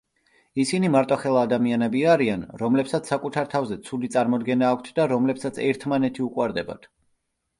ისინი მარტოხელა ადამიანები არიან, რომლებსაც საკუთარ თავზე ცუდი წარმოდგენა აქვთ და რომლებსაც ერთმანეთი უყვარდებათ.